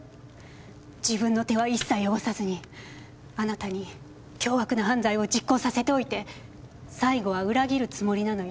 自分の手は一切汚さずにあなたに凶悪な犯罪を実行させておいて最後は裏切るつもりなのよ。